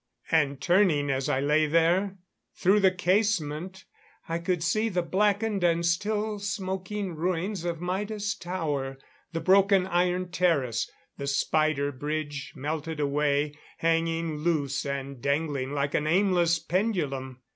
And turning as I lay there, through the casement I could see the blackened, still smoking ruins of Maida's tower; the broken iron terrace; the spider bridge melted away, hanging loose and dangling like an aimless pendulum.